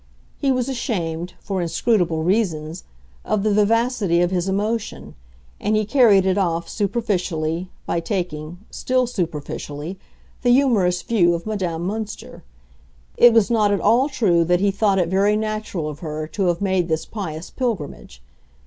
He was ashamed, for inscrutable reasons, of the vivacity of his emotion, and he carried it off, superficially, by taking, still superficially, the humorous view of Madame Münster. It was not at all true that he thought it very natural of her to have made this pious pilgrimage.